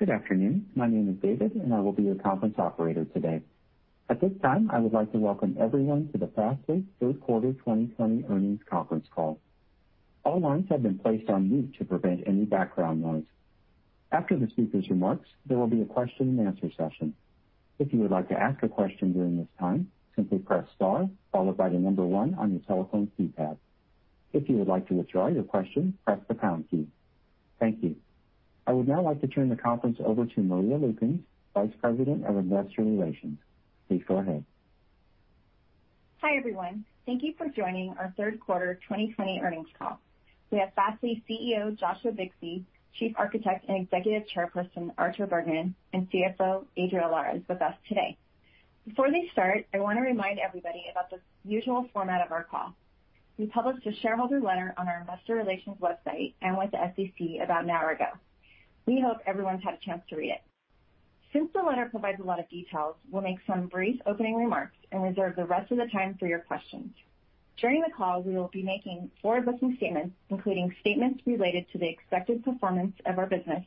Good afternoon. My name is David, and I will be your conference operator today. At this time, I would like to welcome everyone to the Fastly Third Quarter 2020 Earnings Conference Call. All lines have been placed on mute to prevent any background noise. After the speaker's remarks, there will be a question and answer session. If you would like to ask a question during this time simply press star followed by the number one on your telephone keypad. If you would like to withdraw your question press the pound key. Thank you. I would now like to turn the conference over to Maria Lukens, Vice President of Investor Relations. Please go ahead. Hi, everyone. Thank you for joining our Third Quarter 2020 Earnings Call. We have Fastly CEO, Joshua Bixby, Chief Architect and Executive Chairperson, Artur Bergman, and CFO, Adriel Lares, with us today. Before they start, I want to remind everybody about the usual format of our call. We published a shareholder letter on our investor relations website and with the SEC about an hour ago. We hope everyone's had a chance to read it. Since the letter provides a lot of details, we'll make some brief opening remarks and reserve the rest of the time for your questions. During the call, we will be making forward-looking statements, including statements related to the expected performance of our business,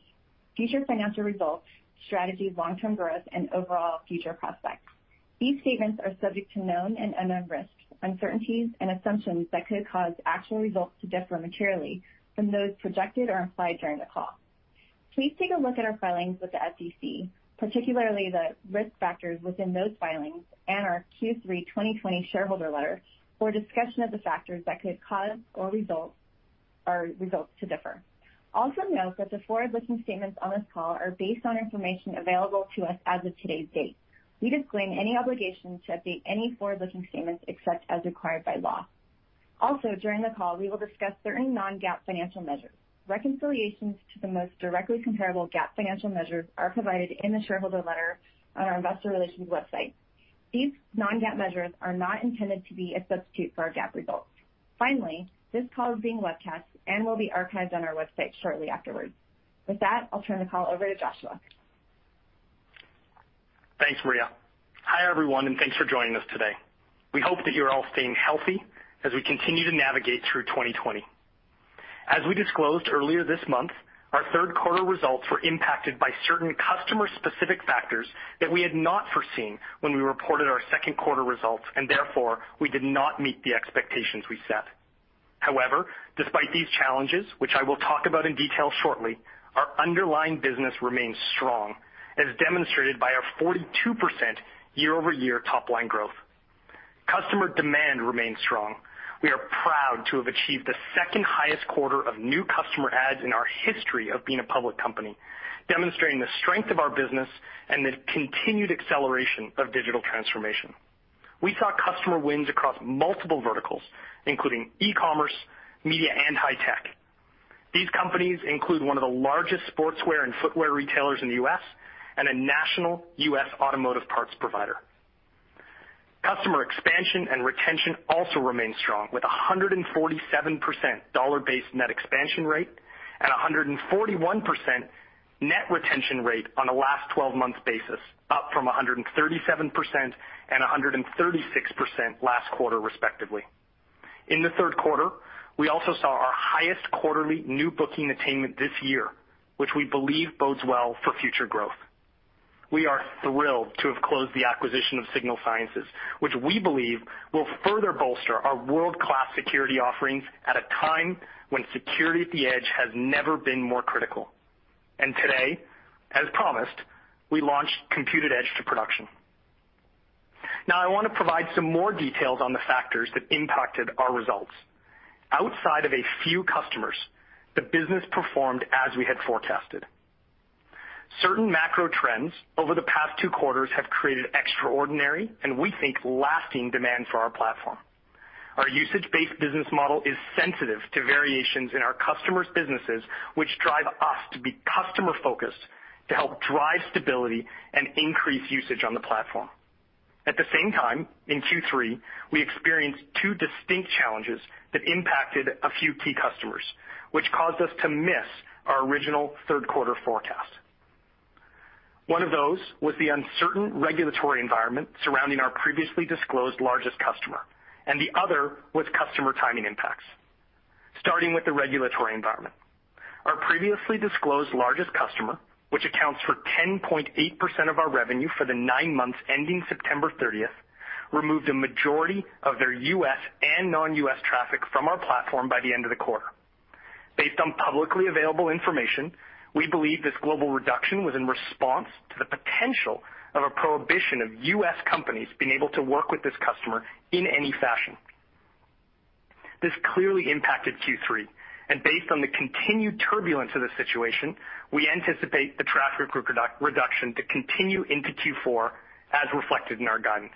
future financial results, strategy, long-term growth, and overall future prospects. These statements are subject to known and unknown risks, uncertainties, and assumptions that could cause actual results to differ materially from those projected or implied during the call. Please take a look at our filings with the SEC, particularly the risk factors within those filings and our Q3 2020 shareholder letter for a discussion of the factors that could cause our results to differ. Also note that the forward-looking statements on this call are based on information available to us as of today's date. We disclaim any obligation to update any forward-looking statements except as required by law. Also, during the call, we will discuss certain non-GAAP financial measures. Reconciliations to the most directly comparable GAAP financial measures are provided in the shareholder letter on our investor relations website. These non-GAAP measures are not intended to be a substitute for our GAAP results. Finally, this call is being webcast and will be archived on our website shortly afterwards. With that, I'll turn the call over to Joshua. Thanks, Maria. Hi, everyone, thanks for joining us today. We hope that you're all staying healthy as we continue to navigate through 2020. As we disclosed earlier this month, our third quarter results were impacted by certain customer-specific factors that we had not foreseen when we reported our second quarter results, therefore, we did not meet the expectations we set. However, despite these challenges, which I will talk about in detail shortly, our underlying business remains strong, as demonstrated by our 42% year-over-year top-line growth. Customer demand remains strong. We are proud to have achieved the second highest quarter of new customer adds in our history of being a public company, demonstrating the strength of our business and the continued acceleration of digital transformation. We saw customer wins across multiple verticals, including e-commerce, media, and high tech. These companies include one of the largest sportswear and footwear retailers in the U.S. and a national U.S. automotive parts provider. Customer expansion and retention also remain strong, with 147% dollar-based net expansion rate and 141% net retention rate on a last 12-month basis, up from 137% and 136% last quarter, respectively. In the third quarter, we also saw our highest quarterly new booking attainment this year, which we believe bodes well for future growth. We are thrilled to have closed the acquisition of Signal Sciences, which we believe will further bolster our world-class security offerings at a time when security at the edge has never been more critical. Today, as promised, we launched Compute@Edge to production. Now, I want to provide some more details on the factors that impacted our results. Outside of a few customers, the business performed as we had forecasted. Certain macro trends over the past two quarters have created extraordinary, and we think lasting demand for our platform. Our usage-based business model is sensitive to variations in our customers' businesses, which drive us to be customer-focused to help drive stability and increase usage on the platform. At the same time, in Q3, we experienced two distinct challenges that impacted a few key customers, which caused us to miss our original third-quarter forecast. One of those was the uncertain regulatory environment surrounding our previously disclosed largest customer, and the other was customer timing impacts. Starting with the regulatory environment. Our previously disclosed largest customer, which accounts for 10.8% of our revenue for the nine months ending September 30th, removed a majority of their U.S. and non-U.S. traffic from our platform by the end of the quarter. Based on publicly available information, we believe this global reduction was in response to the potential of a prohibition of U.S. companies being able to work with this customer in any fashion. This clearly impacted Q3, and based on the continued turbulence of the situation, we anticipate the traffic reduction to continue into Q4, as reflected in our guidance.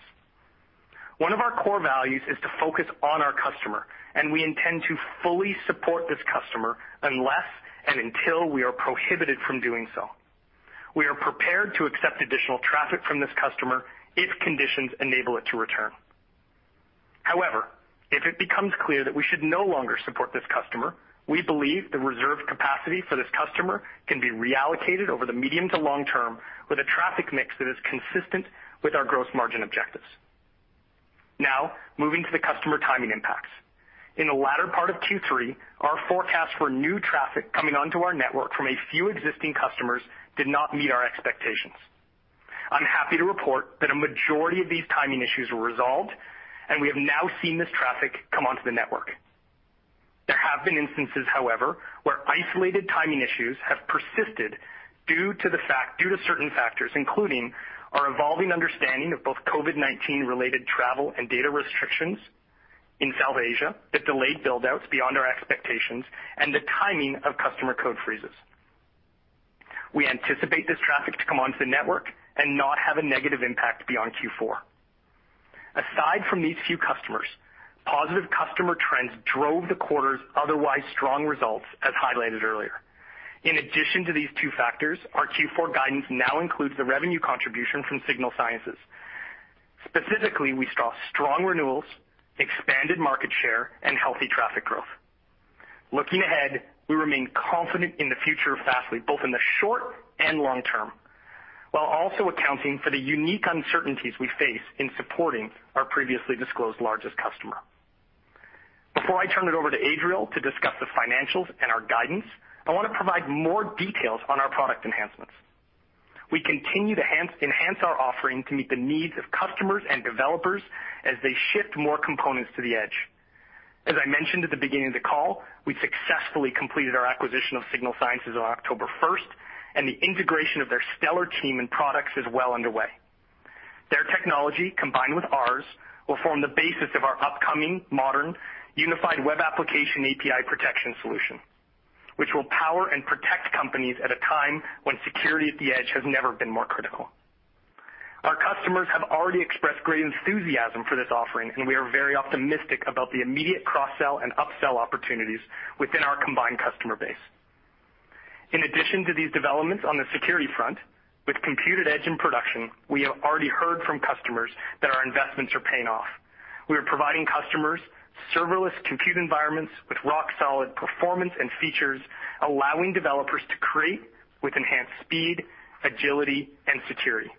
One of our core values is to focus on our customer, and we intend to fully support this customer unless and until we are prohibited from doing so. We are prepared to accept additional traffic from this customer if conditions enable it to return. However, if it becomes clear that we should no longer support this customer, we believe the reserved capacity for this customer can be reallocated over the medium to long term with a traffic mix that is consistent with our gross margin objectives. Now, moving to the customer timing impacts. In the latter part of Q3, our forecast for new traffic coming onto our network from a few existing customers did not meet our expectations. I'm happy to report that a majority of these timing issues were resolved, and we have now seen this traffic come onto the network. There have been instances, however, where isolated timing issues have persisted due to certain factors, including our evolving understanding of both COVID-19 related travel and data restrictions in South Asia that delayed build-outs beyond our expectations and the timing of customer code freezes. We anticipate this traffic to come onto the network and not have a negative impact beyond Q4. Aside from these few customers, positive customer trends drove the quarter's otherwise strong results, as highlighted earlier. In addition to these two factors, our Q4 guidance now includes the revenue contribution from Signal Sciences. Specifically, we saw strong renewals, expanded market share, and healthy traffic growth. Looking ahead, we remain confident in the future of Fastly, both in the short and long term, while also accounting for the unique uncertainties we face in supporting our previously disclosed largest customer. Before I turn it over to Adriel to discuss the financials and our guidance, I want to provide more details on our product enhancements. We continue to enhance our offering to meet the needs of customers and developers as they shift more components to the edge. As I mentioned at the beginning of the call, we successfully completed our acquisition of Signal Sciences on October 1st, and the integration of their stellar team and products is well underway. Their technology, combined with ours, will form the basis of our upcoming modern unified web application API protection solution, which will power and protect companies at a time when security at the edge has never been more critical. Our customers have already expressed great enthusiasm for this offering. We are very optimistic about the immediate cross-sell and upsell opportunities within our combined customer base. In addition to these developments on the security front, with Compute@Edge in production, we have already heard from customers that our investments are paying off. We are providing customers serverless compute environments with rock solid performance and features, allowing developers to create with enhanced speed, agility, and security.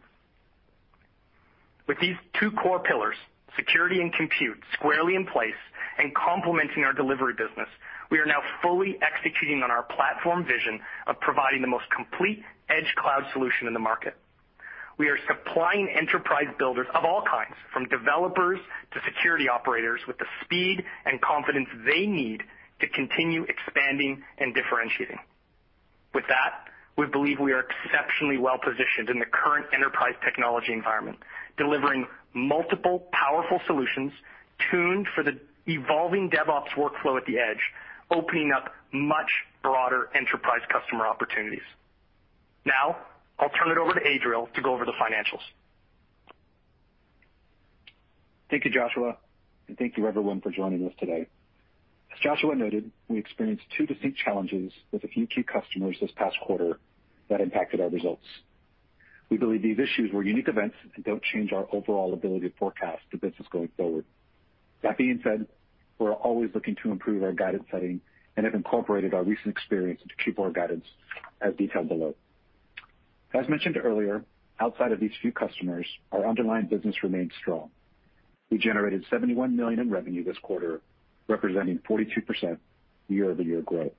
With these two core pillars, security and compute, squarely in place and complementing our delivery business, we are now fully executing on our platform vision of providing the most complete edge cloud solution in the market. We are supplying enterprise builders of all kinds, from developers to security operators, with the speed and confidence they need to continue expanding and differentiating. With that, we believe we are exceptionally well-positioned in the current enterprise technology environment, delivering multiple powerful solutions tuned for the evolving DevOps workflow at the edge, opening up much broader enterprise customer opportunities. Now, I'll turn it over to Adriel Lares to go over the financials. Thank you, Joshua, and thank you, everyone, for joining us today. As Joshua noted, we experienced two distinct challenges with a few key customers this past quarter that impacted our results. We believe these issues were unique events and don't change our overall ability to forecast the business going forward. That being said, we're always looking to improve our guidance setting and have incorporated our recent experience into Q4 guidance, as detailed below. As mentioned earlier, outside of these few customers, our underlying business remains strong. We generated $71 million in revenue this quarter, representing 42% year-over-year growth.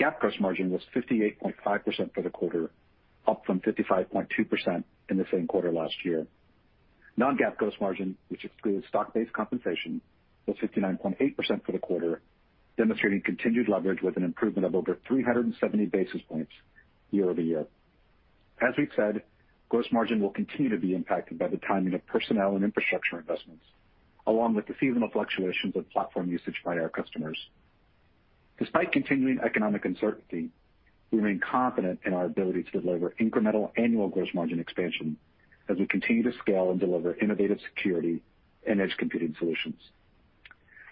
GAAP gross margin was 58.5% for the quarter, up from 55.2% in the same quarter last year. Non-GAAP gross margin, which excludes stock-based compensation, was 59.8% for the quarter, demonstrating continued leverage with an improvement of over 370 basis points year-over-year. As we've said, gross margin will continue to be impacted by the timing of personnel and infrastructure investments, along with the seasonal fluctuations of platform usage by our customers. Despite continuing economic uncertainty, we remain confident in our ability to deliver incremental annual gross margin expansion as we continue to scale and deliver innovative security and edge computing solutions.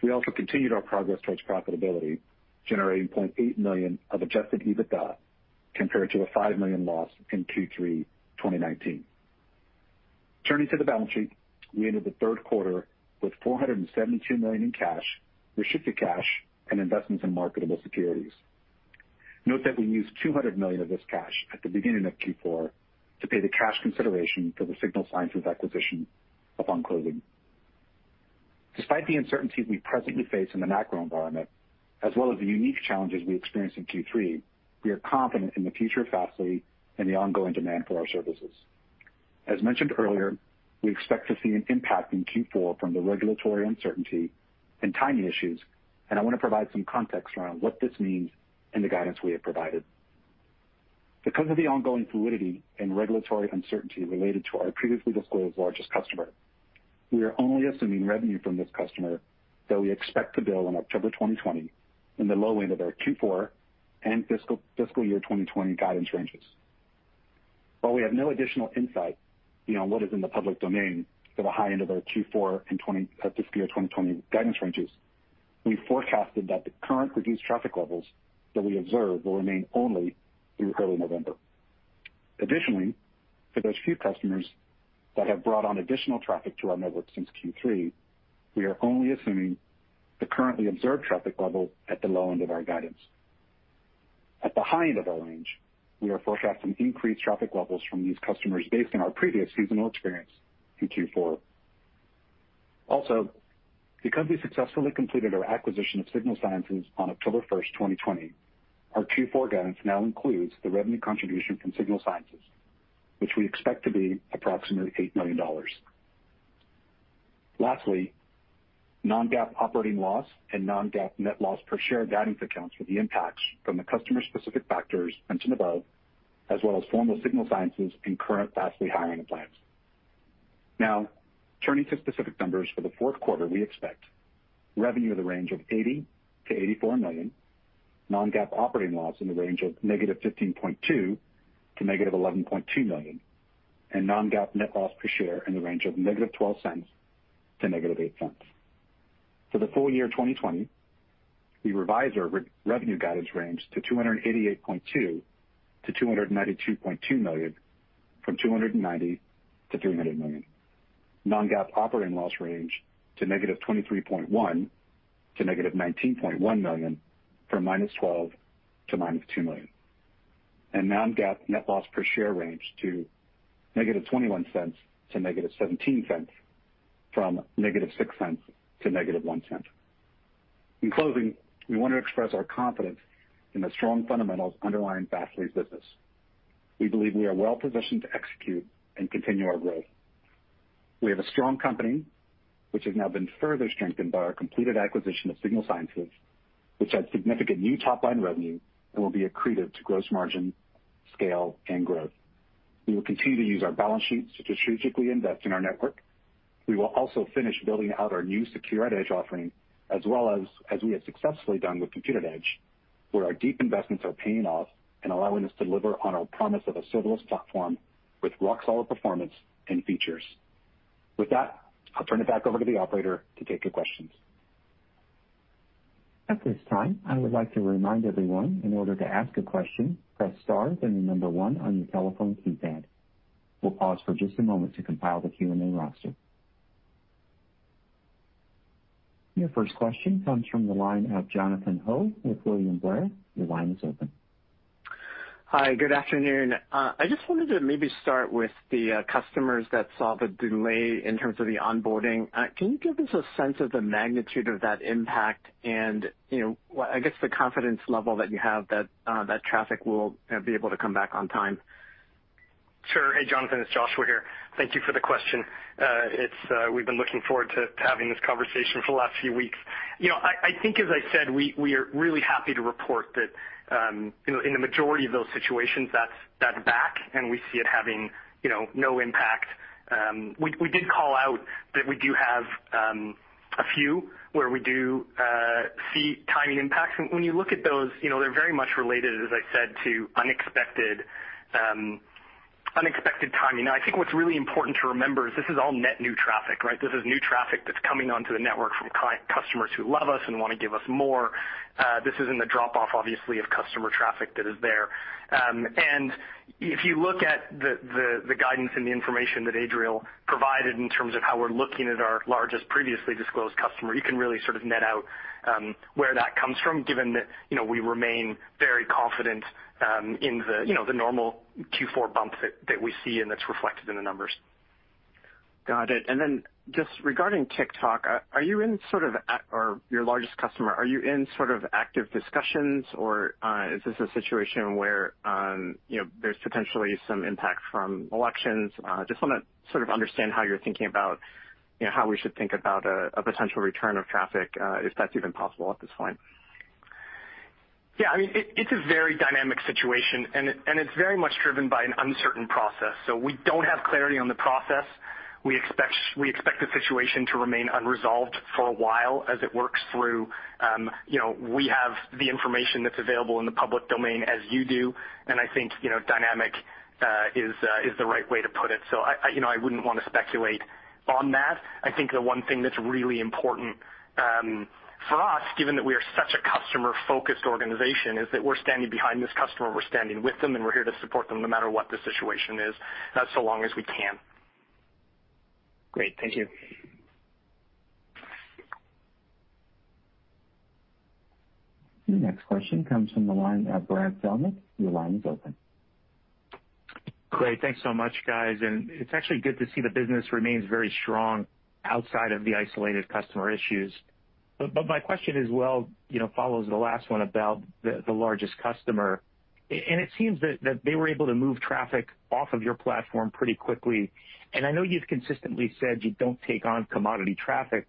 We also continued our progress towards profitability, generating $0.8 million of adjusted EBITDA compared to a $5 million loss in Q3 2019. Turning to the balance sheet, we ended the third quarter with $472 million in cash, restricted cash, and investments in marketable securities. Note that we used $200 million of this cash at the beginning of Q4 to pay the cash consideration for the Signal Sciences acquisition upon closing. Despite the uncertainties we presently face in the macro environment, as well as the unique challenges we experienced in Q3, we are confident in the future of Fastly and the ongoing demand for our services. As mentioned earlier, we expect to see an impact in Q4 from the regulatory uncertainty and timing issues, and I want to provide some context around what this means and the guidance we have provided. Because of the ongoing fluidity and regulatory uncertainty related to our previously disclosed largest customer, we are only assuming revenue from this customer that we expect to bill in October 2020 in the low end of our Q4 and fiscal year 2020 guidance ranges. While we have no additional insight beyond what is in the public domain for the high end of our Q4 and fiscal year 2020 guidance ranges, we forecasted that the current reduced traffic levels that we observe will remain only through early November. Additionally, for those few customers that have brought on additional traffic to our network since Q3, we are only assuming the currently observed traffic level at the low end of our guidance. At the high end of our range, we are forecasting increased traffic levels from these customers based on our previous seasonal experience in Q4. Because we successfully completed our acquisition of Signal Sciences on October 1st, 2020, our Q4 guidance now includes the revenue contribution from Signal Sciences, which we expect to be approximately $8 million. Lastly, non-GAAP operating loss and non-GAAP net loss per share guidance accounts for the impacts from the customer-specific factors mentioned above, as well as formal Signal Sciences and current Fastly hiring plans. Now, turning to specific numbers for the fourth quarter, we expect revenue in the range of $80 million-$84 million, non-GAAP operating loss in the range of negative $15.2 million to negative $11.2 million, and non-GAAP net loss per share in the range of negative $0.12 to negative $0.08. For the full year 2020, we revise our revenue guidance range to $288.2 million-$292.2 million, from $290 million-$300 million. non-GAAP operating loss range to negative $23.1 million to negative $19.1 million, from negative $12 million to negative $2 million. non-GAAP net loss per share range to negative $0.21 to negative $0.17, from negative $0.06 to negative $0.01. In closing, we want to express our confidence in the strong fundamentals underlying Fastly's business. We believe we are well-positioned to execute and continue our growth. We have a strong company, which has now been further strengthened by our completed acquisition of Signal Sciences, which adds significant new top-line revenue and will be accretive to gross margin, scale, and growth. We will continue to use our balance sheet to strategically invest in our network. We will also finish building out our new Secure@Edge offering, as well as we have successfully done with Compute@Edge, where our deep investments are paying off and allowing us to deliver on our promise of a serverless platform with rock-solid performance and features. With that, I'll turn it back over to the operator to take your questions. At this time I would like to remind everyone in order to ask a question press star and then the number one on your telephone keypad. We’ll pause for a moment to compile the Q&A roster. Your first question comes from the line of Jonathan Ho with William Blair. Hi. Good afternoon. I just wanted to maybe start with the customers that saw the delay in terms of the onboarding. Can you give us a sense of the magnitude of that impact and, I guess the confidence level that you have that traffic will be able to come back on time? Sure. Hey, Jonathan, it's Joshua here. Thank you for the question. We've been looking forward to having this conversation for the last few weeks. I think, as I said, we are really happy to report that in the majority of those situations, that's back, and we see it having no impact. We did call out that we do have a few where we do see timing impacts. When you look at those, they're very much related, as I said, to unexpected timing. I think what's really important to remember is this is all net new traffic, right? This is new traffic that's coming onto the network from customers who love us and want to give us more. This isn't a drop-off, obviously, of customer traffic that is there. If you look at the guidance and the information that Adriel provided in terms of how we're looking at our largest previously disclosed customer, you can really sort of net out where that comes from, given that we remain very confident in the normal Q4 bump that we see, and that's reflected in the numbers. Got it. Just regarding TikTok, your largest customer, are you in sort of active discussions, or is this a situation where there's potentially some impact from elections? Just want to sort of understand how you're thinking about how we should think about a potential return of traffic, if that's even possible at this point. Yeah, it's a very dynamic situation, and it's very much driven by an uncertain process. We don't have clarity on the process. We expect the situation to remain unresolved for a while as it works through. We have the information that's available in the public domain as you do, and I think dynamic is the right way to put it. I wouldn't want to speculate on that. I think the one thing that's really important for us, given that we are such a customer-focused organization, is that we're standing behind this customer, we're standing with them, and we're here to support them no matter what the situation is, that's so long as we can. Great. Thank you. The next question comes from the line of Brad Zelnick. Great. Thanks so much, guys. It's actually good to see the business remains very strong outside of the isolated customer issues. My question as well follows the last one about the largest customer, and it seems that they were able to move traffic off of your platform pretty quickly, and I know you've consistently said you don't take on commodity traffic.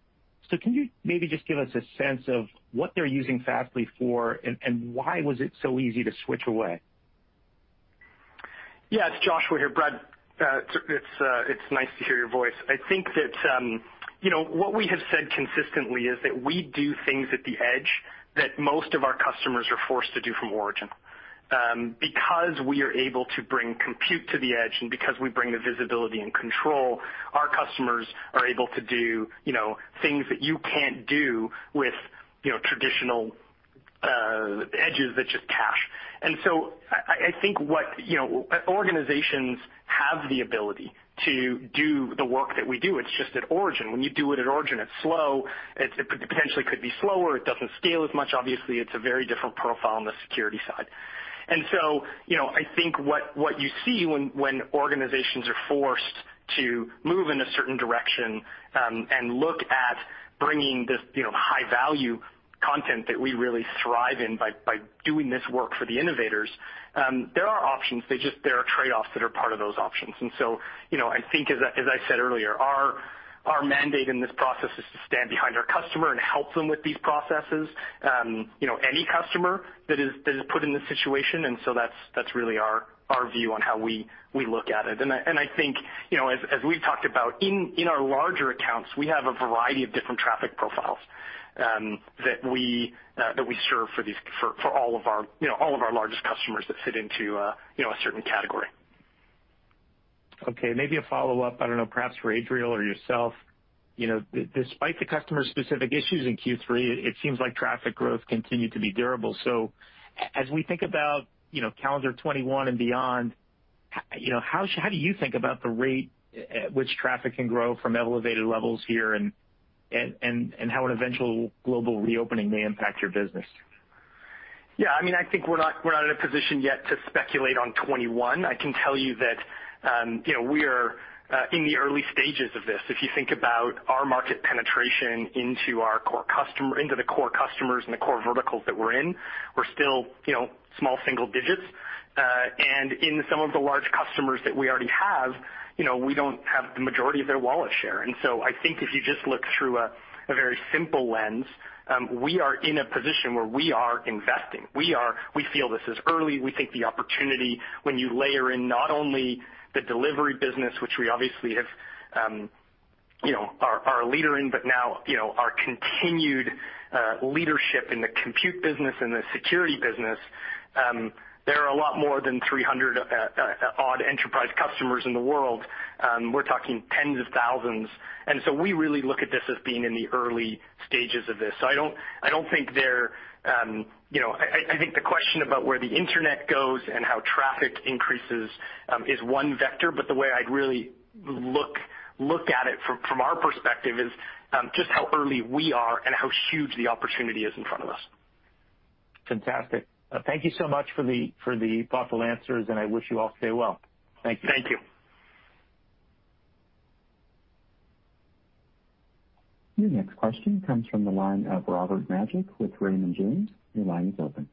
Can you maybe just give us a sense of what they're using Fastly for, and why was it so easy to switch away? Yeah. It's Joshua here, Brad. It's nice to hear your voice. I think that what we have said consistently is that we do things at the edge that most of our customers are forced to do from origin. Because we are able to bring compute to the edge and because we bring the visibility and control, our customers are able to do things that you can't do with traditional edges that just cache. I think what organizations have the ability to do the work that we do, it's just at origin. When you do it at origin, it's slow. It potentially could be slower. It doesn't scale as much. Obviously, it's a very different profile on the security side. I think what you see when organizations are forced to move in a certain direction, and look at bringing this high-value content that we really thrive in by doing this work for the innovators, there are options, there are trade-offs that are part of those options. I think, as I said earlier, our mandate in this process is to stand behind our customer and help them with these processes. Any customer that is put in this situation, and so that's really our view on how we look at it. I think, as we've talked about, in our larger accounts, we have a variety of different traffic profiles that we serve for all of our largest customers that fit into a certain category. Okay, maybe a follow-up, I don't know, perhaps for Adriel Lares or yourself? Despite the customer-specific issues in Q3, it seems like traffic growth continued to be durable. As we think about calendar 2021 and beyond, how do you think about the rate at which traffic can grow from elevated levels here and how an eventual global reopening may impact your business? Yeah, I think we're not in a position yet to speculate on 2021. I can tell you that we are in the early stages of this. If you think about our market penetration into the core customers and the core verticals that we're in, we're still small single digits. In some of the large customers that we already have, we don't have the majority of their wallet share. I think if you just look through a very simple lens, we are in a position where we are investing. We feel this is early. We think the opportunity when you layer in not only the delivery business, which we obviously are a leader in, but now, our continued leadership in the compute business and the security business, there are a lot more than 300 odd enterprise customers in the world. We're talking tens of thousands. We really look at this as being in the early stages of this. I think the question about where the internet goes and how traffic increases is one vector, but the way I'd really look at it from our perspective is just how early we are and how huge the opportunity is in front of us. Fantastic. Thank you so much for the thoughtful answers. I wish you all stay well. Thank you. Thank you. Your next question comes from the line of Robert Majek with Raymond James. Your line is open.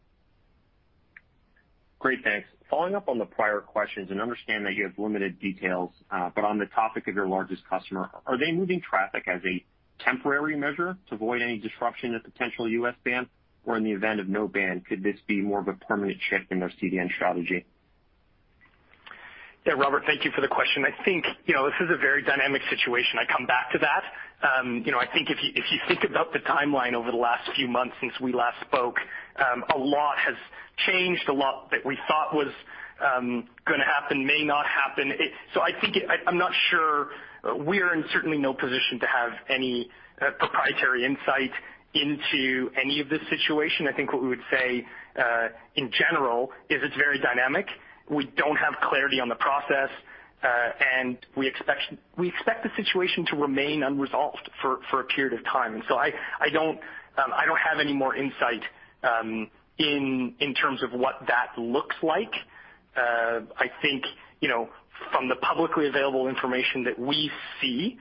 Great. Thanks. Following up on the prior questions, understand that you have limited details, but on the topic of your largest customer, are they moving traffic as a temporary measure to avoid any disruption of potential U.S. ban? In the event of no ban, could this be more of a permanent shift in their CDN strategy? Yeah, Robert, thank you for the question. I think, this is a very dynamic situation. I come back to that. I think if you think about the timeline over the last few months since we last spoke, a lot has changed, a lot that we thought was going to happen may not happen. I'm not sure. We're in certainly no position to have any proprietary insight into any of this situation. I think what we would say, in general, is it's very dynamic. We don't have clarity on the process, and we expect the situation to remain unresolved for a period of time. I don't have any more insight, in terms of what that looks like. I think, from the publicly available information that we see,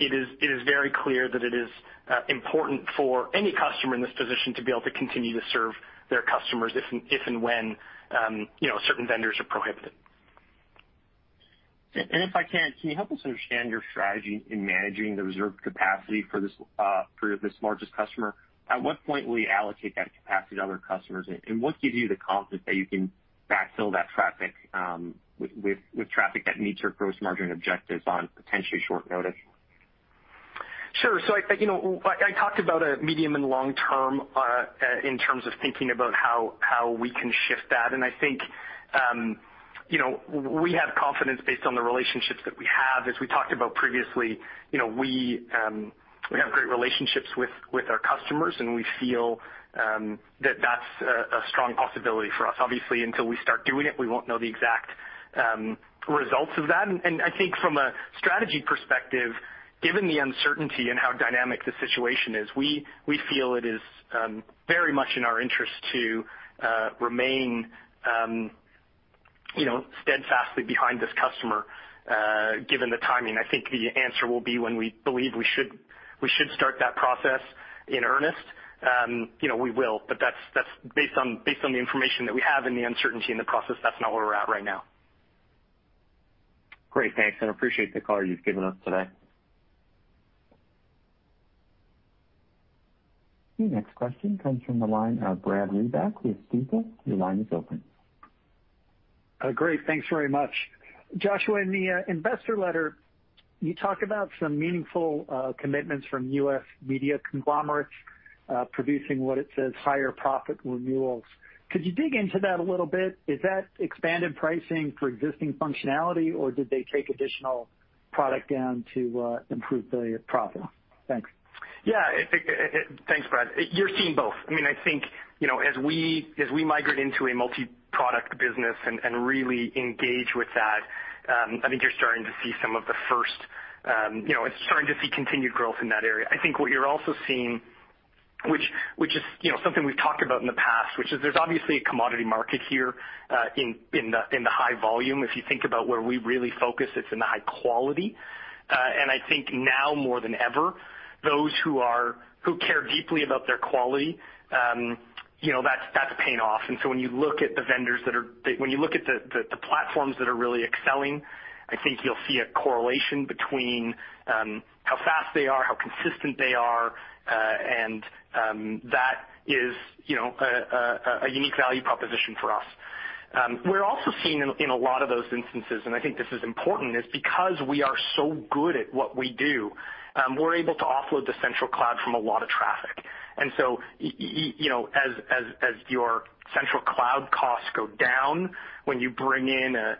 it is very clear that it is important for any customer in this position to be able to continue to serve their customers if and when certain vendors are prohibited. If I can you help us understand your strategy in managing the reserved capacity for this largest customer? At what point will you allocate that capacity to other customers, and what gives you the confidence that you can backfill that traffic, with traffic that meets your gross margin objectives on potentially short notice? Sure. I talked about a medium and long term, in terms of thinking about how we can shift that. I think, we have confidence based on the relationships that we have. As we talked about previously, we have great relationships with our customers, and we feel that that's a strong possibility for us. Obviously, until we start doing it, we won't know the exact results of that. I think from a strategy perspective, given the uncertainty and how dynamic the situation is, we feel it is very much in our interest to remain steadfastly behind this customer, given the timing. I think the answer will be when we believe we should start that process in earnest. We will, but that's based on the information that we have and the uncertainty in the process. That's not where we're at right now. Great. Thanks. Appreciate the color you've given us today. The next question comes from the line of Brad Reback with Stifel. Your line is open. Great. Thanks very much. Joshua, in the investor letter, you talk about some meaningful commitments from U.S. media conglomerates, producing what it says, higher profit renewals. Could you dig into that a little bit? Is that expanded pricing for existing functionality, or did they take additional product down to improve the profit? Thanks. Yeah. Thanks, Brad. You're seeing both. I think, as we migrate into a multi-product business and really engage with that, I think you're starting to see continued growth in that area. I think what you're also seeing, which is something we've talked about in the past, which is there's obviously a commodity market here, in the high volume. If you think about where we really focus, it's in the high quality. I think now more than ever, those who care deeply about their quality, that's paying off. When you look at the platforms that are really excelling, I think you'll see a correlation between how fast they are, how consistent they are, and that is a unique value proposition for us. We're also seeing in a lot of those instances, and I think this is important, is because we are so good at what we do, we're able to offload the central cloud from a lot of traffic. As your central cloud costs go down, when you bring in a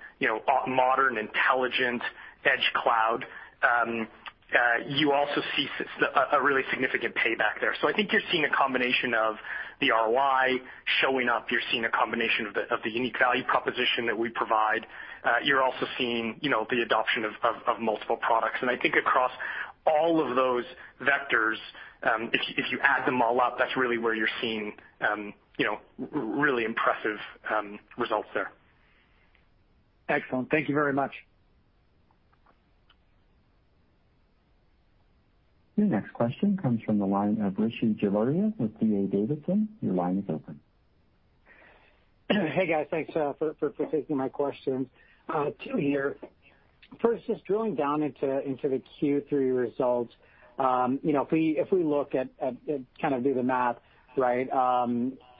modern, intelligent edge cloud, you also see a really significant payback there. I think you're seeing a combination of the ROI showing up. You're seeing a combination of the unique value proposition that we provide. You're also seeing the adoption of multiple products. I think across all of those vectors, if you add them all up, that's really where you're seeing really impressive results there. Excellent. Thank you very much. Your next question comes from the line of Rishi Jaluria with D.A. Davidson. Your line is open. Hey, guys. Thanks for taking my questions. Two here. First, just drilling down into the Q3 results. If we look at, kind of do the math, right?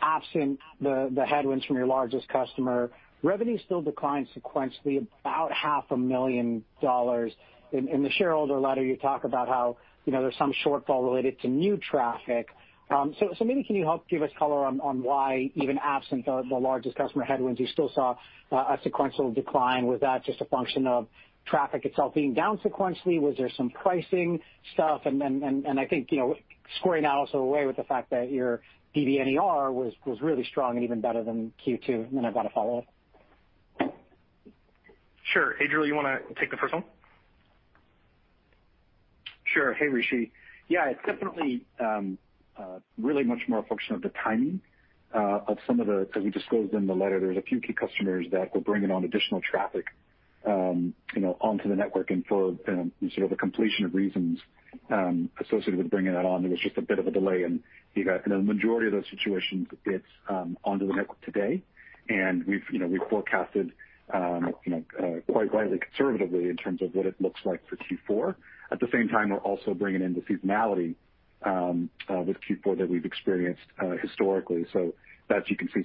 Absent the headwinds from your largest customer, revenue still declined sequentially about half a million dollars. In the shareholder letter, you talk about how there's some shortfall related to new traffic. Maybe can you help give us color on why, even absent the largest customer headwinds, you still saw a sequential decline? Was that just a function of traffic itself being down sequentially? Was there some pricing stuff? I think, squaring that also away with the fact that your DBNER was really strong and even better than Q2. I've got a follow-up. Sure. Adriel, you want to take the first one? Sure. Hey, Rishi. Yeah, it's definitely really much more a function of the timing of some of the. As we disclosed in the letter, there's a few key customers that were bringing on additional traffic onto the network. For sort of a completion of reasons associated with bringing that on, there was just a bit of a delay, and the majority of those situations, it's onto the network today, and we've forecasted quite rightly conservatively in terms of what it looks like for Q4. At the same time, we're also bringing in the seasonality with Q4 that we've experienced historically. That, you can see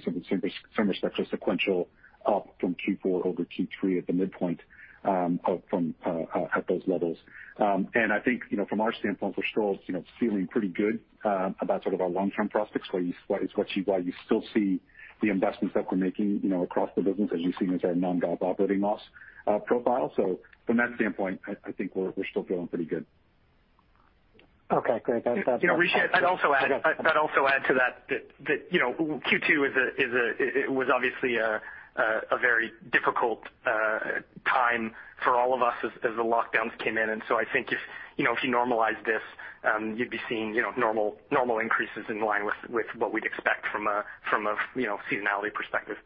some sequential up from Q4 over Q3 at the midpoint at those levels. I think from our standpoint, we're still feeling pretty good about sort of our long-term prospects. While you still see the investments that we're making across the business as you've seen with our non-GAAP operating loss profile. From that standpoint, I think we're still feeling pretty good. Okay, great. Rishi, I'd also add to that Q2 was obviously a very difficult time for all of us as the lockdowns came in. I think if you normalize this, you'd be seeing normal increases in line with what we'd expect from a seasonality perspective.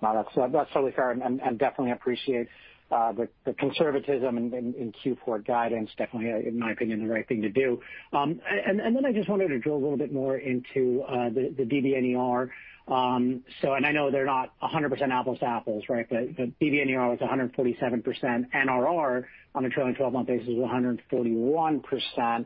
No, that's totally fair, and definitely appreciate the conservatism in Q4 guidance. Definitely, in my opinion, the right thing to do. Then I just wanted to drill a little bit more into the DBNER. I know they're not 100% apples to apples, right? DBNER was 147% NRR on a trailing 12-month basis, 141%.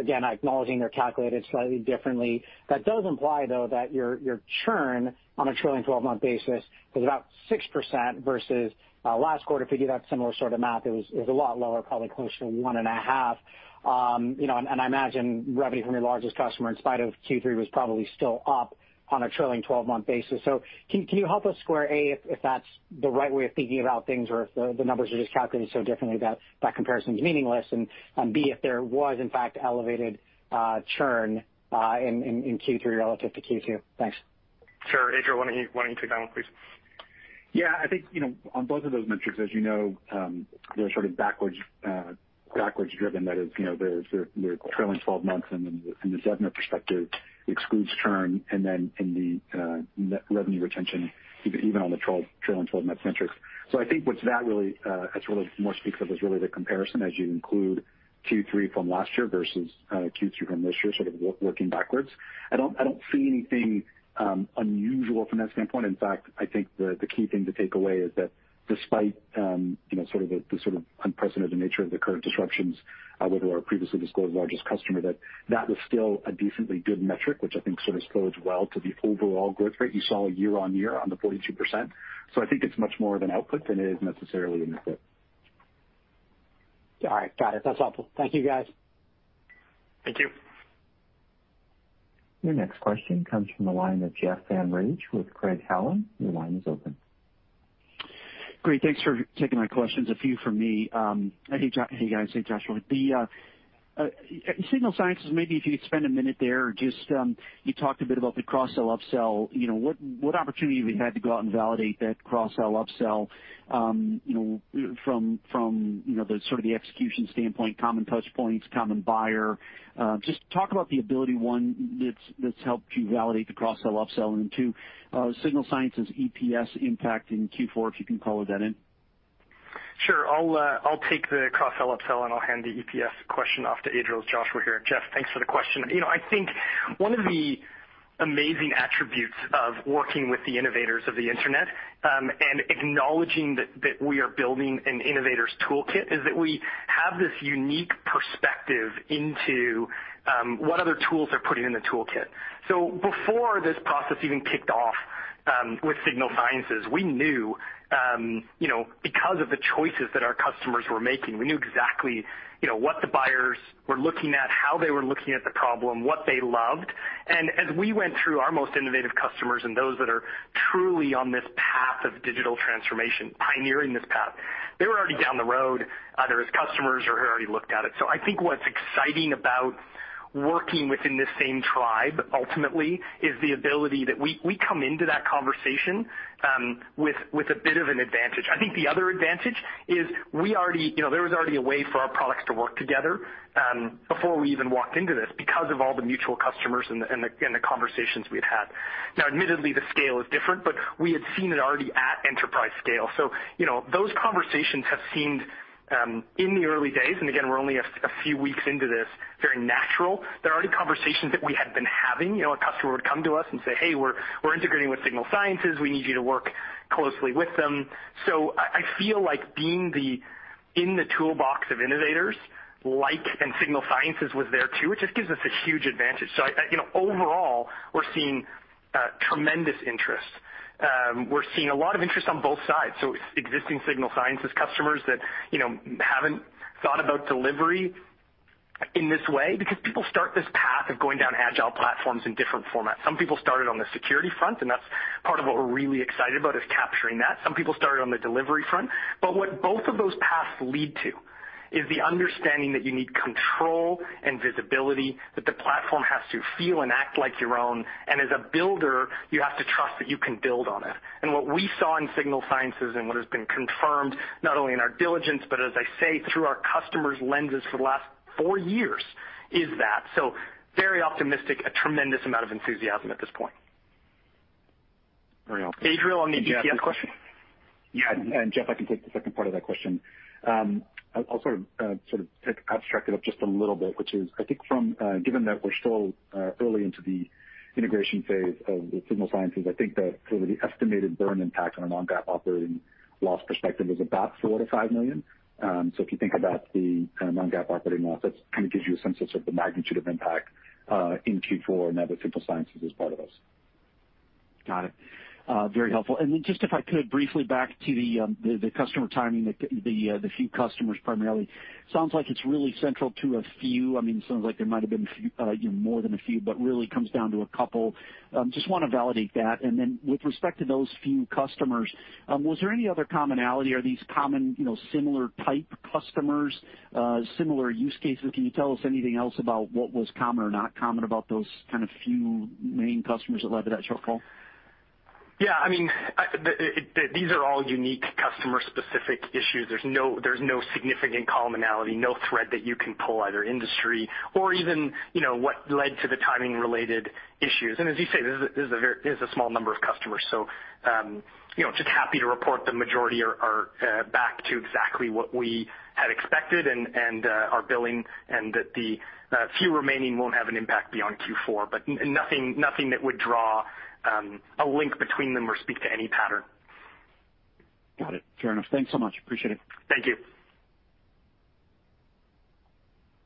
Again, acknowledging they're calculated slightly differently. That does imply, though, that your churn on a trailing 12-month basis was about 6% versus last quarter, if we do that similar sort of math, it was a lot lower, probably closer to 1.5%. I imagine revenue from your largest customer, in spite of Q3, was probably still up on a trailing 12-month basis. Can you help us square A, if that's the right way of thinking about things, or if the numbers are just calculated so differently that comparison's meaningless? B, if there was, in fact, elevated churn in Q3 relative to Q2. Thanks. Sure. Adriel, why don't you take that one, please? Yeah, I think, on both of those metrics, as you know, they're sort of backwards driven. That is, they're trailing 12 months, and the net perspective excludes churn and then in the revenue retention, even on the trailing 12 months metrics. I think what that really more speaks of is really the comparison as you include Q3 from last year versus Q3 from this year, sort of working backwards. I don't see anything unusual from that standpoint. In fact, I think the key thing to take away is that despite the sort of unprecedented nature of the current disruptions with our previously disclosed largest customer, that was still a decently good metric, which I think sort of bodes well to the overall growth rate you saw year-on-year on the 42%. I think it's much more of an output than it is necessarily an input. All right, got it. That's helpful. Thank you guys. Thank you. Your next question comes from the line of Jeff Van Rhee with Craig-Hallum. Your line is open. Great. Thanks for taking my questions. A few from me. Hey, guys. Hey, Joshua. Signal Sciences, maybe if you could spend a minute there. You talked a bit about the cross-sell/upsell. What opportunity have you had to go out and validate that cross-sell/upsell, from the execution standpoint, common touchpoints, common buyer? Just talk about the ability, one, that's helped you validate the cross-sell/upsell, and two, Signal Sciences' EPS impact in Q4, if you can color that in. Sure. I'll take the cross-sell/upsell, and I'll hand the EPS question off to Adriel. Joshua here. Jeff, thanks for the question. I think one of the amazing attributes of working with the innovators of the internet, and acknowledging that we are building an innovator's toolkit, is that we have this unique perspective into what other tools they're putting in the toolkit. Before this process even kicked off with Signal Sciences, because of the choices that our customers were making, we knew exactly what the buyers were looking at, how they were looking at the problem, what they loved. As we went through our most innovative customers and those that are truly on this path of digital transformation, pioneering this path, they were already down the road, either as customers or had already looked at it. I think what's exciting about working within this same tribe, ultimately, is the ability that we come into that conversation with a bit of an advantage. I think the other advantage is there was already a way for our products to work together before we even walked into this, because of all the mutual customers and the conversations we'd had. Now, admittedly, the scale is different, but we had seen it already at enterprise scale. Those conversations have seemed, in the early days, and again, we're only a few weeks into this, very natural. They're already conversations that we had been having. A customer would come to us and say, hey, we're integrating with Signal Sciences. We need you to work closely with them. I feel like being in the toolbox of innovators, and Signal Sciences was there too, it just gives us a huge advantage. Overall, we're seeing tremendous interest. We're seeing a lot of interest on both sides, so existing Signal Sciences customers that haven't thought about delivery in this way, because people start this path of going down agile platforms in different formats. Some people started on the security front, and that's part of what we're really excited about, is capturing that. Some people started on the delivery front. What both of those paths lead to is the understanding that you need control and visibility, that the platform has to feel and act like your own. As a builder, you have to trust that you can build on it. What we saw in Signal Sciences and what has been confirmed not only in our diligence, but as I say, through our customers' lenses for the last four years, is that. Very optimistic, a tremendous amount of enthusiasm at this point. Very helpful. Adriel, on the EPS question. Yeah. Jeff, I can take the second part of that question. I'll sort of abstract it up just a little bit, which is, I think given that we're still early into the integration phase of Signal Sciences, I think that sort of the estimated burn impact on a non-GAAP operating loss perspective is about $4 million-$5 million. If you think about the kind of non-GAAP operating loss, that kind of gives you a sense of sort of the magnitude of impact, in Q4 now that Signal Sciences is part of us. Got it. Very helpful. Just if I could briefly back to the customer timing, the few customers primarily. Sounds like it's really central to a few. Sounds like there might have been more than a few, but really comes down to a couple. Just want to validate that. With respect to those few customers, was there any other commonality? Are these common, similar type customers, similar use cases? Can you tell us anything else about what was common or not common about those kind of few main customers that led to that shortfall? Yeah, these are all unique customer-specific issues. There's no significant commonality, no thread that you can pull, either industry or even what led to the timing-related issues. As you say, this is a small number of customers. Just happy to report the majority are back to exactly what we had expected and are billing, and that the few remaining won't have an impact beyond Q4, but nothing that would draw a link between them or speak to any pattern. Got it. Fair enough. Thanks so much. Appreciate it. Thank you.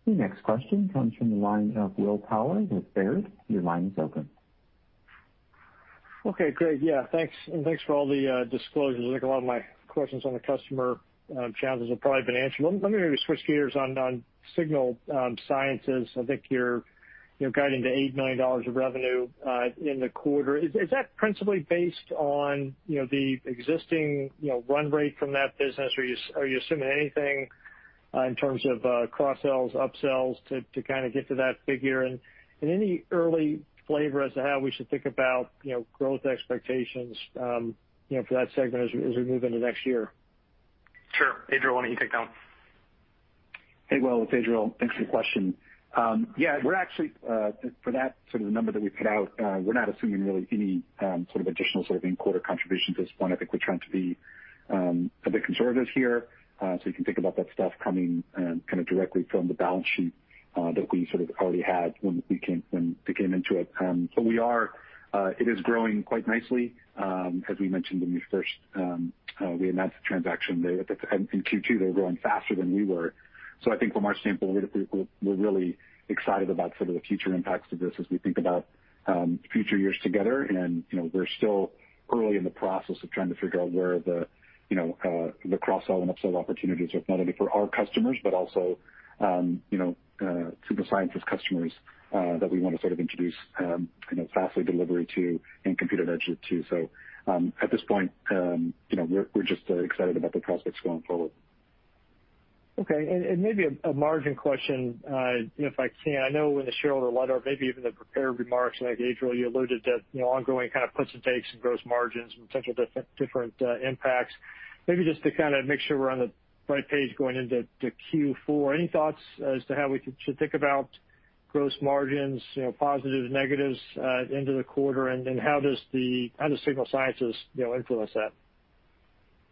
The next question comes from the line of Will Power with Baird. Your line is open. Okay, great. Yeah, thanks. Thanks for all the disclosures. I think a lot of my questions on the customer challenges have probably been answered. Let me maybe switch gears on Signal Sciences. I think you're guiding to $8 million of revenue in the quarter. Is that principally based on the existing run rate from that business, or are you assuming anything in terms of cross-sells/up-sells to kind of get to that figure? Any early flavor as to how we should think about growth expectations for that segment as we move into next year? Sure. Adriel, why don't you take that one? Hey, Will. It's Adriel. Thanks for the question. Yeah, for that sort of number that we put out, we're not assuming really any sort of additional sort of in-quarter contributions at this point. I think we're trying to be a bit conservative here. You can think about that stuff coming kind of directly from the balance sheet that we sort of already had when we came into it. It is growing quite nicely, as we mentioned in your first. We announced the transaction there. In Q2, they were growing faster than we were. I think from our standpoint, we're really excited about the future impacts of this as we think about future years together. We're still early in the process of trying to figure out where the cross-sell and upsell opportunities are, not only for our customers but also Signal Sciences customers that we want to introduce Fastly delivery to and Compute@Edge to. At this point we're just excited about the prospects going forward. Okay. Maybe a margin question, if I can. I know in the shareholder letter, maybe even the prepared remarks, Adriel, you alluded to ongoing kind of puts and takes and gross margins and potential different impacts. Maybe just to make sure we're on the right page going into Q4, any thoughts as to how we should think about gross margins, positives, negatives at the end of the quarter, and how does Signal Sciences influence that?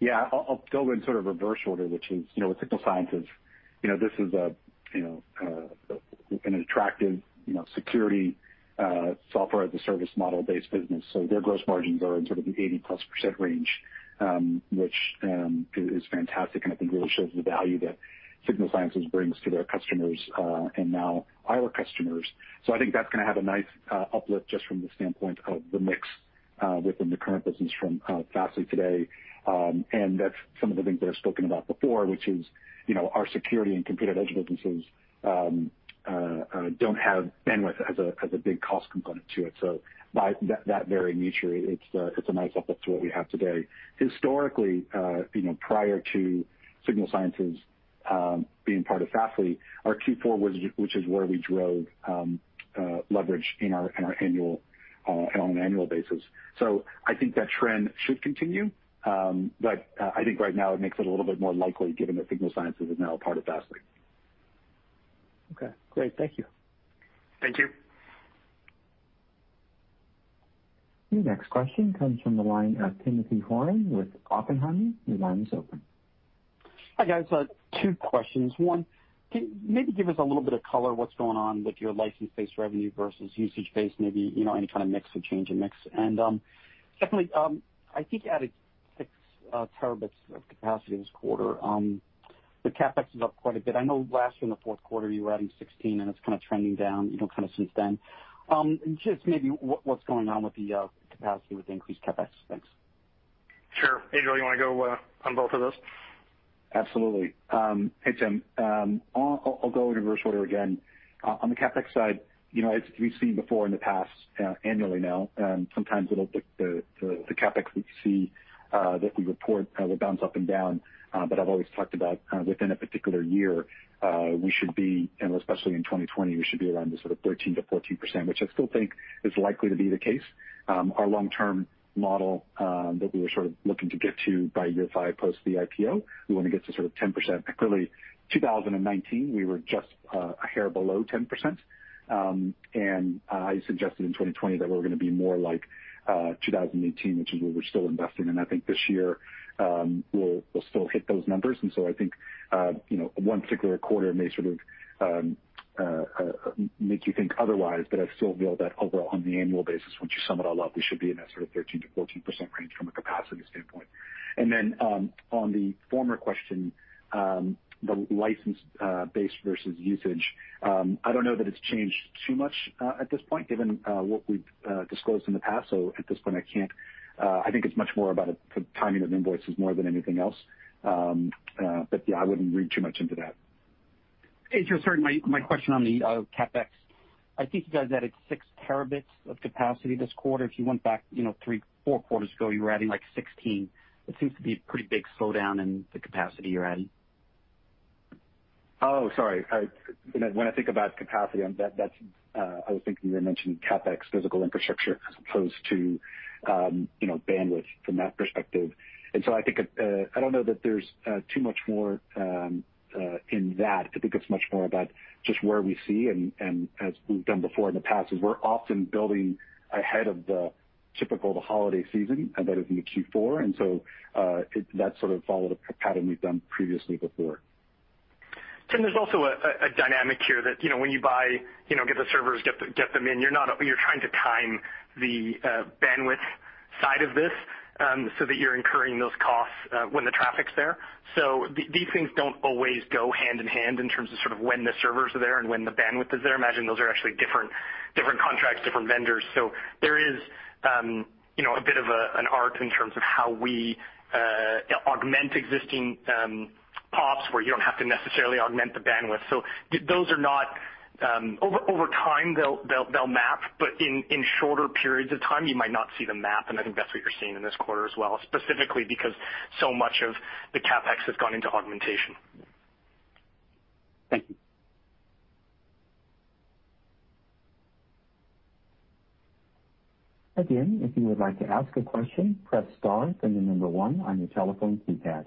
Yeah. I'll go in sort of reverse order, which is, with Signal Sciences, this is an attractive security software as a service model-based business. Their gross margins are in sort of the 80%+ range, which is fantastic and I think really shows the value that Signal Sciences brings to their customers, and now our customers. I think that's going to have a nice uplift just from the standpoint of the mix within the current business from Fastly today. That's some of the things that I've spoken about before, which is, our security and Compute@Edge businesses don't have bandwidth as a big cost component to it. By that very nature, it's a nice uplift to what we have today. Historically, prior to Signal Sciences being part of Fastly, our Q4, which is where we drove leverage on an annual basis. I think that trend should continue. I think right now it makes it a little bit more likely given that Signal Sciences is now a part of Fastly. Okay, great. Thank you. Thank you. Your next question comes from the line of Timothy Horan with Oppenheimer. Your line is open. Hi, guys. Two questions. One, can you maybe give us a little bit of color what's going on with your license-based revenue versus usage-based, maybe any kind of mix or change in mix? Secondly, I think you added 6 Tb of capacity this quarter. The CapEx is up quite a bit. I know last year in the fourth quarter, you were adding 16, and it's kind of trending down, kind of since then. Just maybe what's going on with the capacity with the increased CapEx? Thanks. Sure. Adriel, you want to go on both of those? Absolutely. Hey, Tim. I'll go in reverse order again. On the CapEx side, as we've seen before in the past, annually now, sometimes the CapEx we see, that we report will bounce up and down. I've always talked about within a particular year, we should be, and especially in 2020, we should be around the sort of 13%-14%, which I still think is likely to be the case. Our long-term model that we were sort of looking to get to by year five post the IPO, we want to get to sort of 10%. Clearly, 2019, we were just a hair below 10%. I suggested in 2020 that we were going to be more like 2018, which is where we're still investing. I think this year we'll still hit those numbers. I think one particular quarter may sort of make you think otherwise, but I still feel that overall on the annual basis, once you sum it all up, we should be in that sort of 13%-14% range from a capacity standpoint. On the former question, the license base versus usage. I don't know that it's changed too much at this point, given what we've disclosed in the past. At this point, I think it's much more about a timing of invoices more than anything else. Yeah, I wouldn't read too much into that. Adriel, sorry, my question on the CapEx. I think you guys added 6 Tb of capacity this quarter. If you went back three, four quarters ago, you were adding like 16. It seems to be a pretty big slowdown in the capacity you're adding? Oh, sorry. When I think about capacity, I was thinking you were mentioning CapEx physical infrastructure as opposed to bandwidth from that perspective. I don't know that there's too much more in that. I think it's much more about just where we see and as we've done before in the past, is we're often building ahead of the typical holiday season that is in the Q4. That sort of followed a pattern we've done previously before. Tim, there's also a dynamic here that when you buy, get the servers, get them in, you're trying to time the bandwidth side of this, so that you're incurring those costs when the traffic's there. These things don't always go hand in hand in terms of sort of when the servers are there and when the bandwidth is there. Imagine those are actually different contracts, different vendors. There is a bit of an art in terms of how we augment existing PoPs where you don't have to necessarily augment the bandwidth. Those are not. Over time they'll map, but in shorter periods of time, you might not see them map, and I think that's what you're seeing in this quarter as well, specifically because so much of the CapEx has gone into augmentation. Thank you. Again, if you would like to ask a question, press star, then the number one on your telephone keypad.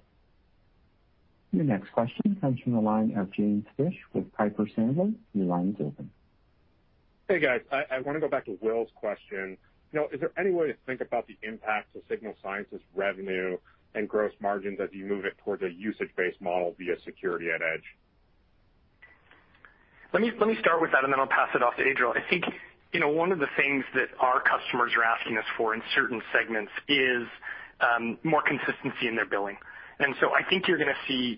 Your next question comes from the line of James Fish with Piper Sandler. Your line is open. Hey, guys. I want to go back to Will's question. Is there any way to think about the impact of Signal Sciences revenue and gross margins as you move it towards a usage-based model via Secure@Edge? Let me start with that, and then I'll pass it off to Adriel. I think one of the things that our customers are asking us for in certain segments is more consistency in their billing. I think you're going to see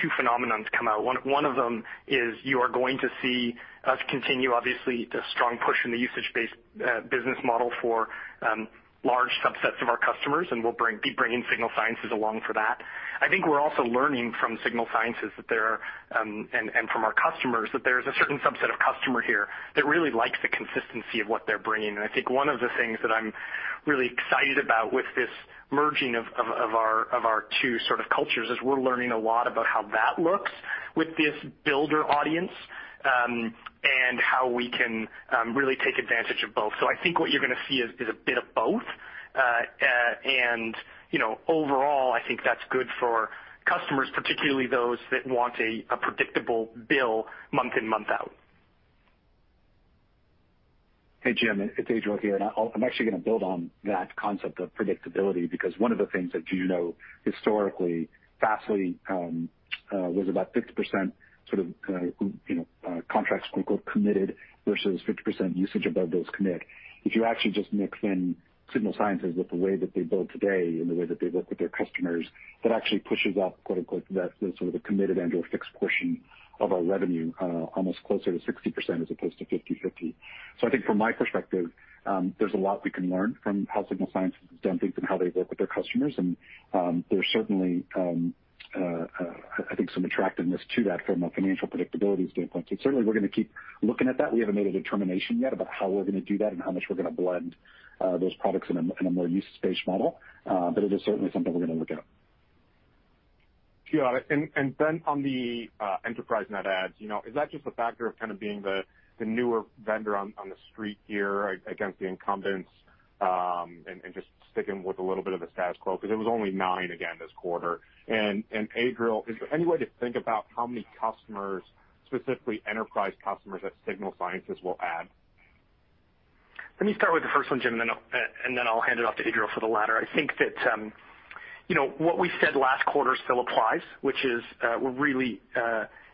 two phenomenon come out. One of them is you are going to see us continue, obviously, the strong push in the usage-based business model for large subsets of our customers, and we'll be bringing Signal Sciences along for that. I think we're also learning from Signal Sciences and from our customers that there's a certain subset of customer here that really likes the consistency of what they're bringing. I think one of the things that I'm really excited about with this merging of our two sort of cultures is we're learning a lot about how that looks with this builder audience, and how we can really take advantage of both. I think what you're going to see is a bit of both. Overall, I think that's good for customers, particularly those that want a predictable bill month in, month out. Hey, James. It's Adriel here. I'm actually going to build on that concept of predictability, because one of the things that you know historically, Fastly, was about 50% sort of, "contract" committed versus 50% usage above those commit. If you actually just mix in Signal Sciences with the way that they build today and the way that they work with their customers, that actually pushes up quote, unquote, the sort of committed and/or fixed portion of our revenue, almost closer to 60% as opposed to 50/50. I think from my perspective, there's a lot we can learn from how Signal Sciences has done things and how they work with their customers. There's certainly, I think, some attractiveness to that from a financial predictability standpoint. Certainly, we're going to keep looking at that. We haven't made a determination yet about how we're going to do that and how much we're going to blend those products in a more usage-based model. It is certainly something we're going to look at. Got it. On the enterprise net adds, is that just a factor of kind of being the newer vendor on the street here against the incumbents, and just sticking with a little bit of the status quo? Because it was only nine again this quarter. Adriel, is there any way to think about how many customers, specifically enterprise customers, that Signal Sciences will add? Let me start with the first one, James, and then I'll hand it off to Adriel for the latter. I think that what we said last quarter still applies, which is, we're really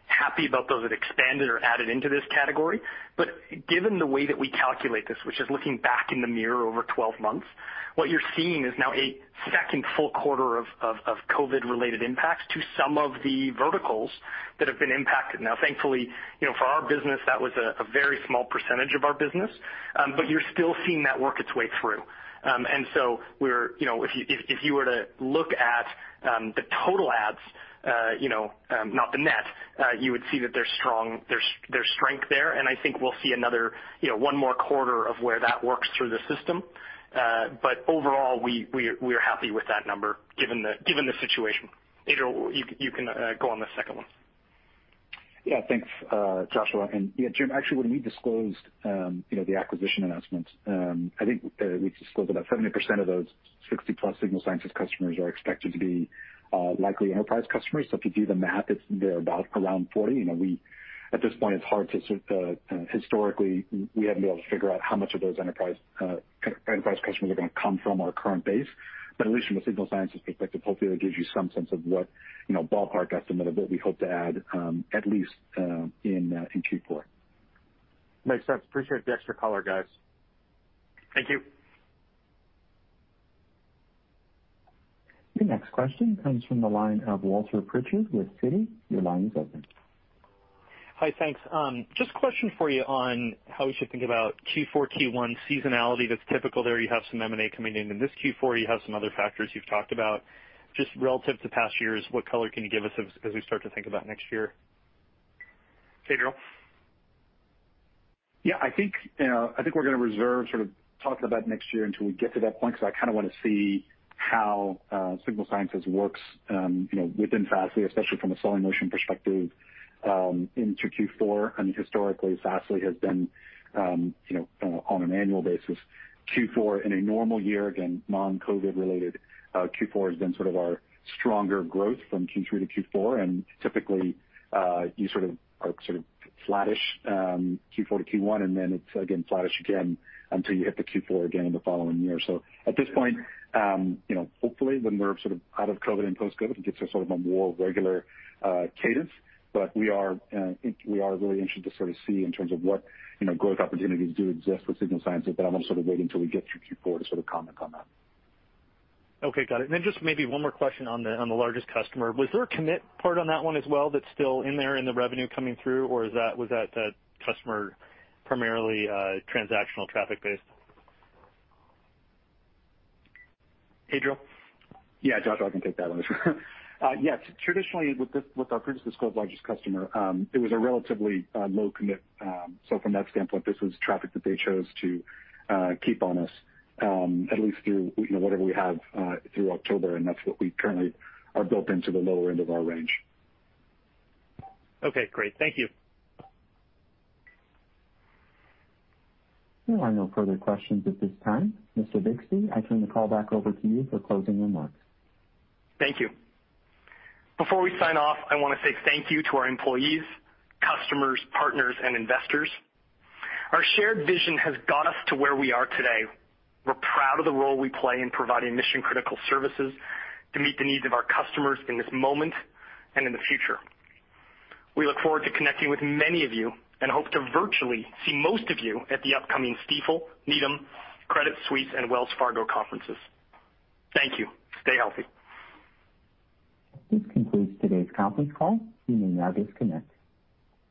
happy about those that expanded or added into this category. Given the way that we calculate this, which is looking back in the mirror over 12 months, what you're seeing is now a second full quarter of COVID-related impacts to some of the verticals that have been impacted. Thankfully, for our business, that was a very small percentage of our business. You're still seeing that work its way through. If you were to look at the total adds, not the net, you would see that there's strength there, and I think we'll see another one more quarter of where that works through the system. Overall, we are happy with that number given the situation. Adriel, you can go on the second one. Yeah, thanks, Joshua. Yeah, James, actually, when we disclosed the acquisition announcement, I think we disclosed about 70% of those 60+ Signal Sciences customers are expected to be likely enterprise customers. If you do the math, it's about around 40. At this point, historically, we haven't been able to figure out how much of those enterprise customers are going to come from our current base. At least from a Signal Sciences perspective, hopefully that gives you some sense of what ballpark estimate of what we hope to add, at least, in Q4. Makes sense. Appreciate the extra color, guys. Thank you. Your next question comes from the line of Walter Pritchard with Citi. Your line is open. Hi, thanks. Just a question for you on how we should think about Q4, Q1 seasonality that's typical there. You have some M&A coming in in this Q4. You have some other factors you've talked about. Just relative to past years, what color can you give us as we start to think about next year? Adriel? I think we're going to reserve sort of talking about next year until we get to that point, because I kind of want to see how Signal Sciences works within Fastly, especially from a selling motion perspective into Q4. I mean, historically, Fastly has been, on an annual basis, Q4 in a normal year, again, non-COVID related, Q4 has been sort of our stronger growth from Q3 to Q4, and typically you sort of flattish Q4 to Q1, and then it's again flattish again until you hit the Q4 again the following year. At this point, hopefully when we're sort of out of COVID and post-COVID, it gets to sort of a more regular cadence. We are really interested to sort of see in terms of what growth opportunities do exist with Signal Sciences. I'm also waiting till we get through Q4 to sort of comment on that. Okay, got it. Just maybe one more question on the largest customer. Was there a commit part on that one as well that's still in there in the revenue coming through, or was that customer primarily transactional traffic based? Adriel? Yeah, Joshua, I can take that one as well. Yes, traditionally, with our previously [scope largest customer, it was a relatively low commit. From that standpoint, this was traffic that they chose to keep on us, at least through whatever we have through October, and that's what we currently are built into the lower end of our range. Okay, great. Thank you. There are no further questions at this time. Mr. Bixby, I turn the call back over to you for closing remarks. Thank you. Before we sign off, I want to say thank you to our employees, customers, partners, and investors. Our shared vision has got us to where we are today. We're proud of the role we play in providing mission-critical services to meet the needs of our customers in this moment and in the future. We look forward to connecting with many of you and hope to virtually see most of you at the upcoming Stifel, Needham, Credit Suisse, and Wells Fargo conferences. Thank you. Stay healthy. This concludes today's conference call. You may now disconnect.